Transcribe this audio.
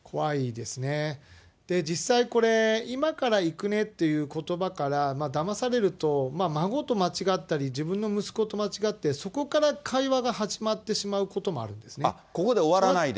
で、実際、これ、今から行くねということばからだまされると、孫と間違ったり、自分の息子と間違って、そこから会話が始まってしまうこともあるここで終わらないで？